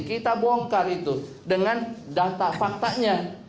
kita bongkar itu dengan data faktanya